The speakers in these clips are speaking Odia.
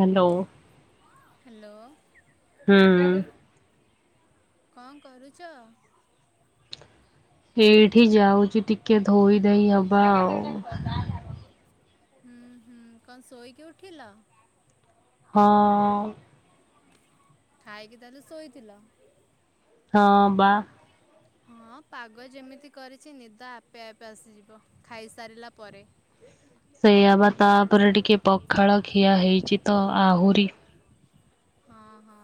ହ୍ୟାଲୋ। ହ୍ୟାଲୋ। ହୁଁ। କଣ କରୁଚ? ଏଇଠି ଯାଉଚି ଟିକେ ଧୋଇଧାଇ ହବା ଆଉ। ଉଁ ହୁଁ, କଣ ଶୋଇକି ଉଠିଲ? ହଁ। ଖାଇକି ତାହେଲେ ଶୋଇଥିଲ? ହଁ ବା। ହଁ ପାଗ ଯେମିତି କରିଚି ନିଦ ଆପେ ଆପେ ଆସିଯିବ। ଖାଇସାରିଲା ପରେ। ସେଇଆ ବା ତାପରେ ଟିକେ ପଖାଳ ଖିଆ ହେଇଛି ତ, ଆହୁରି ହଁ ହଁ,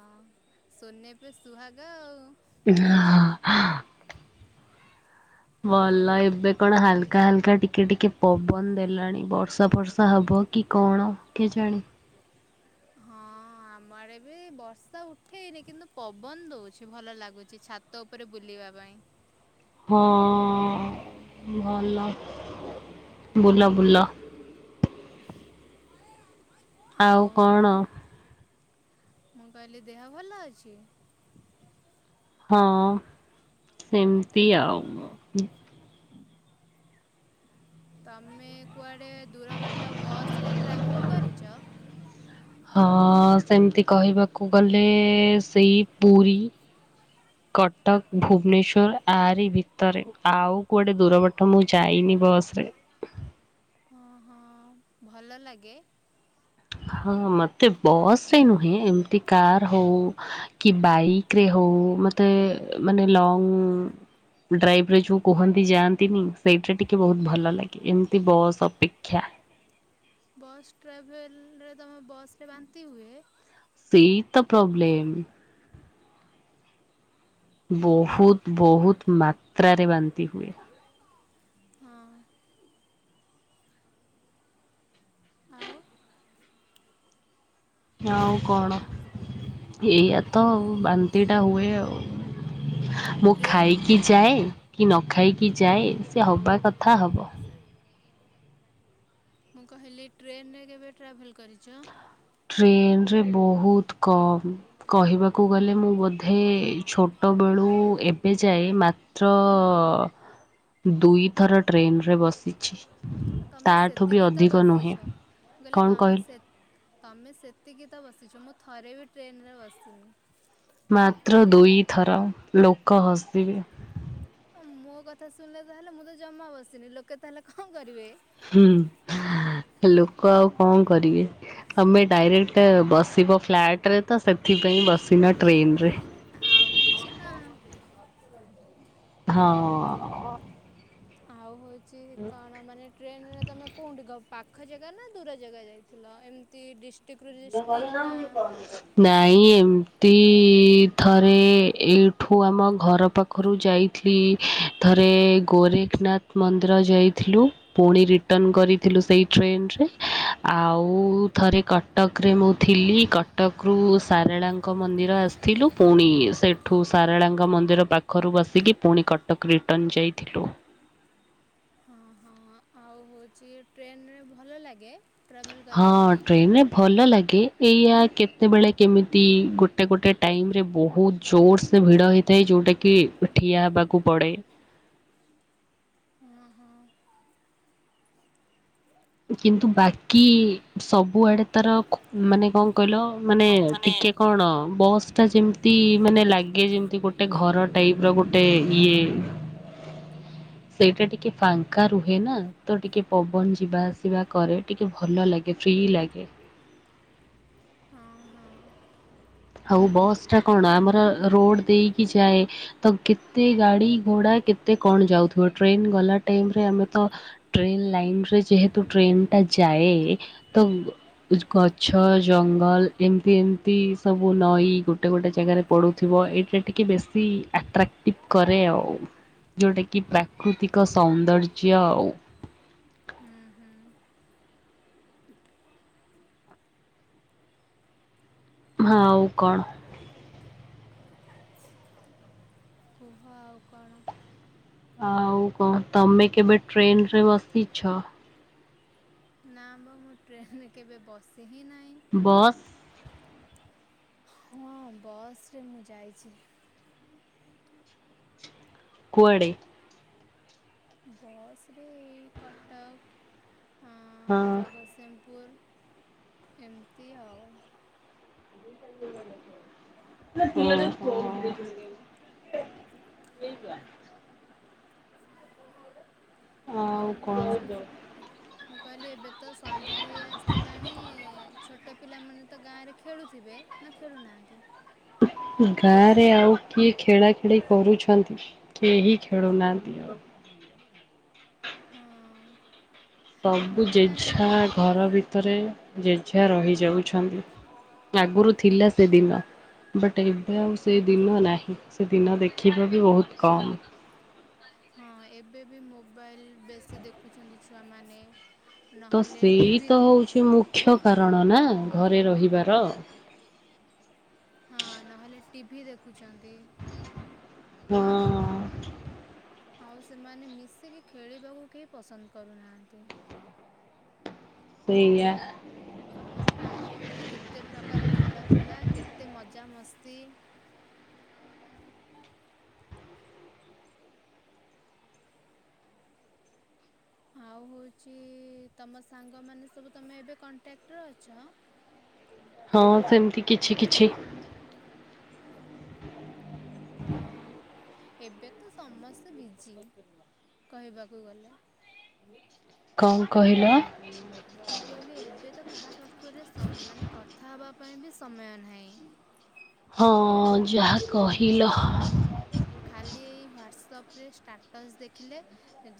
ସୋନେ ପେ ସୁହାଗା ଆଉ। [unintelligible] ଆଉ ମଲା ଏବେ କଣ ହାଲକା ହାଲକା ଟିକେ ଟିକେ ପବନ ଦେଲାଣି। ବର୍ଷା ବର୍ଷା ହେବ କି କଣ କେ ଜାଣି। ହଁ ଆମ ଆଡେ ବି ବର୍ଷା ଉଠେଇନି କିନ୍ତୁ ପବନ ଦଉଛି ଭଲ ଲାଗୁଚି ଛା ତ ଉପରେ ବୁଲିବା ପାଇଁ। ହଁ ଭଲ। ବୁଲ ବୁଲ। [inaudible] ଆଉ ହଉ, ମୁଁ କହିଲି ଦେହ ଭଲ ଅଛି? ହଁ ସେମତି ଆଉ। ତୁମେ କୁଆଡ଼େ ଦୂର ବାଟ ବସ୍ ରେ ଟ୍ରାଭେଲ୍ କରିଚ? ହଁ, ସେମିତି କହିବାକୁ ଗଲେ ସେଇ ପୁରୀ [inaudible] କଟକ, ଭୁବନେଶ୍ୱର ଆରି ଭିତରେ। ଆଉ କୁଆଡ଼େ ଦୂର ବାଟ ମୁଁ ଯାଇନି ବସ୍ ରେ। ଅ ହଁ। ଭଲ ଲାଗେ? ହଁ ମତେ ବସ୍ ରେ ନୁହେଁ, ଏମିତି କାର ହଉ କି ବାଇକ୍ ରେ ହଉ ମତେ ମାନେ ଲଙ୍ଗ ଡ୍ରାଇଭ୍ ଉପରେ ଯୋଉ କୁହନ୍ତି ଯାଆନ୍ତିନି, ସେଇଥିରେ ଟିକେ ବହୁତ ଭଲ ଲାଗେ। ଏମିତି ବସ୍ ଅପେକ୍ଷା। ବସ୍ ଟ୍ରାଭେଲରେ ତମ ବସରେ ବାନ୍ତି ହୁଏ। ସେଇତ ପ୍ରୋବ୍ଲେମ୍। ଓହୋ ବହୁତ ବହୁତ ମାତ୍ରାରେ ବାନ୍ତି ହୁଏ। ହଁ। ଆଉ ଆଉ କଣ ଏଇଆତ ବାନ୍ତି ଟା ହୁଏ ଆଉ। ମୁଁ ଟ୍ରେନ୍ ଖାଇକି ଯାଏ କି ନ ଖାଇକି ଯାଏ ସେ ହବା କଥା ହବ। ମୁଁ କହିଲି ଟ୍ରେନରେ କେବେ ଟ୍ରାଭେଲ କରିଚ? ଟ୍ରେନରେ ବହୁତ କମ୍। କହିବାକୁ ଗଲେ ମୁଁ ବୋଧେ ଛୋଟବେଳୁ ଏବେ ଯାଏ ମା ତ୍ର ଦୁଇଥର ଟ୍ରେନରେ ବସିଚି। ଅ ତମେ ସେତିକି ତ ବସିଛ ମୁଁ କହିଲେ କଣ ତମେ କହିଲ ସେ ତମେ ସେତିକି ତ ବସିଛ ମୁଁ ଥରେ ବି ଟ୍ରେନରେ ବସିନି। ମାତ୍ର ଦୁଇଥର ଲୋକ ହସିବେ। ଅ ମୋ କଥା ଶୁଣିଲେ ତାହେଲେ ମୁଁ ତ ଜମା ବସିନି ଲୋକେ ତାହେଲେ ଙ୍କ କରିବେ? ହୁଁ ଲୋକ ଆଉ ଙ୍କ କରିବେ? ତମେ ଡାଇରେକ୍ଟ ବସିବ ଫ୍ଲାଟରେ ତ ସେଥିପାଇଁ ବସିନ ଟ୍ରେନରେ। ଆଉ କିଛି ନା। ହଁ। ଆଉ ହଉଚି କଣ ମାନେ ଟ୍ରେନ ରେ ତମେ କଉଠୀ ପାଖ ଜାଗା ନା ଦୂର ଜାଗା ଯାଇଥିଲ ଏମିତି ଡିଷ୍ଟ ଟିକରୁ ଡ୍ରିଷ୍ଟିକ୍ ନା ନାଇ ଏମତି ଥରେ ଏଇଠୁ ଆମ ଘର ପାଖରୁ ଯାଇଥି ଥରେ ଗୋରେଖନାଥ ମନ୍ଦିର ଯାଇଥିଲୁ। ପୁଣି ରିଟର୍ଣ୍ଣ କରିଥିଲୁ ସେଇ ଟ୍ରେନରେ ଆଉ ଥରେ କ ଟକରେ ମୁଁ ଥିଲି କଟକରୁ ସାରଳାଙ୍କ ମନ୍ଦିର ଆସଥିଲୁ ପୁଣି ସେ ଠୁ ସାରଳାଙ୍କ ମନ୍ଦିର ପାଖରୁ ବସିକି ପୁଣି କଟକ ରିଟର୍ଣ୍ଣ ଯାଇଥିଲୁ। ହଁ ହଁ ଆଉ ହଉଚି ଟ୍ରେନରେ ଭଲ ଲାଗେ ଟ୍ରାଭେଲ୍ କରିବା ହଁ ପାଇଁ ଟ୍ରେନରେ ଭଲ ଲାଗେ ଏଇଆ କେତେବେଳେ କେମିତି ଗୋଟେ ଗୋଟେ ଟାଇମେ ବହୁତ ଜୋରସେ ଭିଡ଼ ହେଇଥାଏ ଯଉଟା କିି ଠିଆ ହେବାକୁ ପଡ଼େ। ହଁ ହଁ କିନ୍ତୁ ବାକି ସବୁଆଡେ ତାର ଖୋ ମାନେ ଙ୍କ କହିଲ ମାନେ ଟିକେ କଣ ବସ୍ ଟା ଯେମିତି ମାନେ ଲାଗେ ଯେମିତି ଗୋଟେ ଘର ଟାଇପ ର ଗୋଟେ ଇଏ ସେଇଟା ଟିକେ ଫାଙ୍କା ରୁହେ ନା ତ ଟିକେ ପବନ ଯିବା ଆସିବା କରେ ଟିକେ ଭଲ ଲାଗେ ଫ୍ରି ଲାଗେ। ହଁ ହଁ ଆଉ ବସ କଣ ଆମର ରୋଡ଼ ଦେଇକି ଯାଏ ତ କେତେ ଗାଡି ଘୋଡା କେତେ କଣ ଯାଉଥିବ ଟ୍ରେନ ଗଲା ଟାଇମରେ ଆମେ ତ ଟ୍ରେନ ଲାଇନରେ ଯେହେତୁ ଟ୍ରେନ ଟା ଯାଏ ତ କୁଚ ଗଛ ଜଙ୍ଗଲ ଏମତି ଏମତି ସବୁ ନଈ ଗୋଟେ ଗୋଟେ ଜାଗାରେ ପଡୁଥିବ ଏଇଟା ଟିକେ ବେଶୀ ଆଟ୍ରାକ୍ଟିଭ କରେ ଆଉ। ଯଉଟା କିି ପ୍ରାକୃତିକ ସୌନ୍ଦର୍ଯ୍ୟ ଆଉ। ହୁଁ ହୁଁ। ହଁ ଆଉ କଣ? କୁହ ଆଉ କଣ? ଆଉ ଙ୍କ ତମେ କେବେ ଟ୍ରେନ ରେ ବସିଛ? ନା ବା ମୁଁ ଟ୍ରେନରେ କେବେ ବସି ହିଁ ନାହିଁ। ବସ୍ ହଁ ବସରେ ମୁଁ ଯାଇଚି। କୁଆଡେ? ବସରେ କଟକ ହଁ ଜଗସିଂପୁର ଏମତି ଆଉ। ଓହୋ। ଆଉ କଣ ହଉଚି ମୁଁ କଇଲି ଏବେ ତ ସନ୍ଧ୍ୟା ହେଇ ଆସିିଲାଣି ଛୋଟ ପିଲାମାନେ ତ ଗାଁରେ ଖେଳୁଥିବେ ନା ଖେଳୁନାହାଁନ୍ତି? ଗାଁରେ ଆଉ କିଏ ଖେଳା ଖେଳି କରୁଛନ୍ତି? କେହି ଖେଳୁନାଆନ୍ତି ଆଉ। ହଁ ସବୁ ଆମ ଯେଝା ଟାଇମରେ ଘର ଭି ତରେ ଯେଝା ରହିଯାଉଛନ୍ତି। ଲାଗୁରୁ ଥିଲା ସେ ଦିନ। ବଟ୍ ଏବେ ଆଉ ସେ ଦିନ ନାହିଁ। ସେ ଦିନ ଦେଖିବା ବି ବୋହୁତ କମ୍। ହଁ ଏବେ ବି ମୋବାଇଲ ବେଶୀ ଦେଖୁଛନ୍ତି ଛୁଆମାନେ। ତ ନହେଲେ ସେଇ ଟିଭି ତ ହଉଛି ମୁଖ୍ୟ କାରଣ ନା ଘରେ ରହିବାର। ହଁ ନହେଲେ ଟିଭିି ଦେଖୁଛନ୍ତି। ହଁ। ଆଉ ସେମାନେ ମିଶିକି ଖେଳିବାକୁ କେଇ ପସନ୍ଦ କରୁନାହାନ୍ତି। ସେଇଆ। ଆମ ବେଳେ କେତେ ପ୍ରକାର ଖେଳ ଥିଲା। କେତେ ମଜାମସ୍ତି। ଆଉ ହଉଚି ତମ ସାଙ୍ଗମାନେ ସବୁ ତମେ ଏବେ କଣ୍ଟାକ୍ଟରେ ଅଛ? ହଁ ସେମତି କିଛି କିଛି। ହଁ ଏବେ ତ ସମସ୍ତେ ବିଜି କହିବାକୁ ଗଲେ। କଁ କହିଲ? [inaudible] ମୁଁ କହିଲି ଏବେ ତ କାହା ପାଖରେ ସମ୍ ମାନେ କଥା ହବା ପାଇଁ ବି ସମୟ ନାହିଁ। ହଉ ଯାହା କହିଲ ଖାଲି ଏଇ ହ୍ଵାଟ୍ସଅପରେ ଷ୍ଟାଟସ୍ ଦେଖିଲେ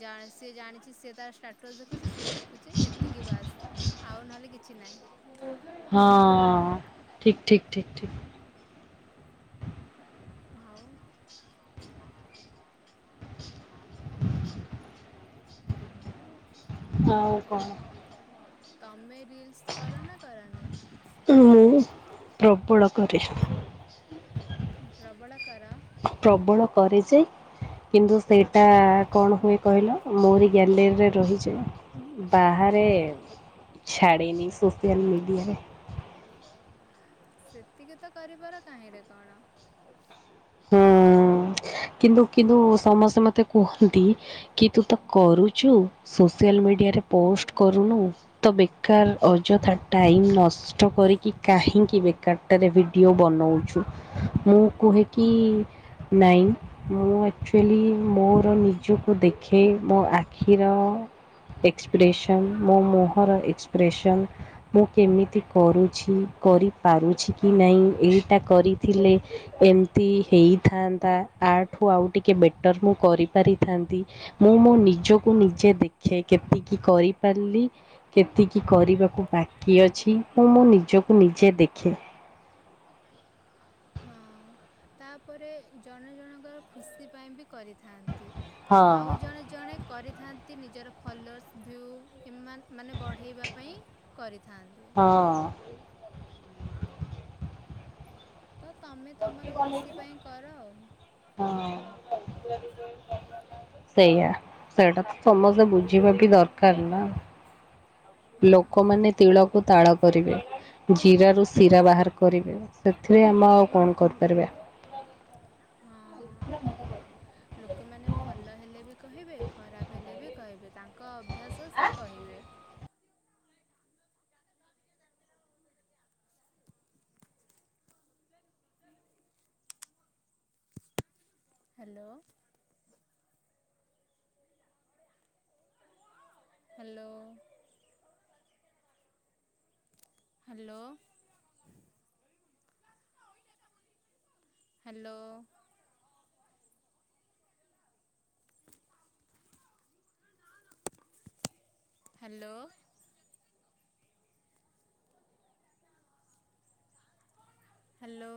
ଜା ସିଏ ଜାଣିଚି ସିଏ ତା ଷ୍ଟା ଟସ୍ ଦେଖୁଚି ସିଏ ଦେଖୁଚି ଏତିକି ବାସ୍ ଆଉ ନହେଲେ କିଛି ନାଇଁ। ହଁ ଠିକ୍ ଠିକ୍ ଠିକ୍ ଠିକ୍। ଆଉ ଆଉ କଣ? ତମେ ରିଲ୍ସ କର ନା କରନି? କିଏ ମୁଁ ମୁଁ ମୁଁ ପ୍ରବଳ କରେ। କଣ ପ୍ରବଳ କର? ପ୍ରବଳ କରେ ଯେ କିନ୍ତୁ ସେଇଟା କଣ ହୁଏ କହିଲ? ମୋରି ଗ୍ୟାଲେରୀରେ ରହିଯାଏ। ବାହାରେ ଛାଡେନି ସୋସିଆଲ ମିଡିଆରେ। ସେତିକି ତ କରିବାର କାହିଁରେ କଣ। ହୁଁ କିନ୍ତୁ କିନ୍ତୁ ସମସ୍ତେ ମତେ କୁହନ୍ତି କି ତୁ ତ କରୁଚି ସୋସିଆଲ ମିଡିଆରେ ପୋଷ୍ଟ କରୁନୁ ତ ବେକାର ଅଯଥା ଟାଇମ୍ ନଷ୍ ଷ୍ଟ କରିକି କାହିଁକି ବେକାରଟାରେ ଭିଡିଓ ବନଉଛୁ। ମୁଁ କୁହେ କି ନାଇଁ ମୁଁ ଆକ୍ଚୁଏଲି ମୋର ନିଜକୁ ଦେଖେ ମୋ ଆଖିର ଏକ୍ସପ୍ରେସନ୍ ମୋ ମୁହଁର ଏକ୍ସପ୍ରେସନ୍ ମୁଁ କେମିତି କରୁଛି? କରିପାରୁଛି କି ନାଇଁ? ଏଇଟା କରିଥିଲେ ଏମ୍ ତି ହେଇଥାନ୍ତା। ଆଠୁ ଆଉ ଟିକେ ବେଟର୍ ମୁଁ କରିପାରିଥାନ୍ତି। ମୁଁ ମୋ ନିଜକୁ ନିଜେ ଦେଖେ କେତିକି କରିପାରିଲି କେତିକି କରିବାକୁ ବାକି ଅଛି? ମୁଁ ମୋ ନିଜକୁ ନିଜେ ଦେଖେ। ହଁ ତାପରେ ଜଣେ ଜଣକର ଖୁସି ପାଇଁ ବି କରିଥାନ୍ତି ହଁ ଆଉ ଜଣେ। ଜଣେ କରିଥାନ୍ତି ନିଜର ଫଲୋର୍ସ ଭ୍ୟୁ ଏ ମାନ‌ ମାନେ ବଢ଼େଇବା ପାଇଁ। କରିଥାନ୍ତି। ହଁ। ତ ତମେ ତମର ଖୁସି ପାଇଁ କର ଆଉ। ହଁ। ସେଇଆ ସେଇଟା ତ ସମସ୍ତେ ବୁଝିବା ବି ଦରକାର ନା। ହଁ। ଲୋକମାନେ ତିଳକୁ ତାଳ କରିବେ। ଜିରାରୁ ଶିରା ବାହାର କରିବେ ସେଥିରେ ଆମେ ଆଉ କଣ କରିପାରିବା। ହଁ। ଲୋକମାନେ ଭଲ ହେଲେ ବି କହିବେ ଖରାପ ହେଲେ ବି କହିବେ ତାଙ୍କ। ଅଭ୍ୟାସ ସେ କହିବେ। Hello. Hello. Hello. Hello. Hello. Hello.